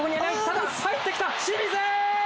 入ってきた、清水！